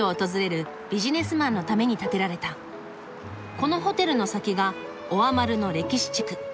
このホテルの先がオアマルの歴史地区。